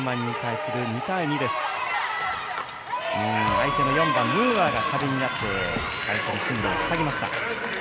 相手の４番、ムーアが壁になって進路を塞ぎました。